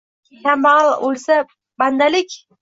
Kambag’al o’lsa-“bandalik”.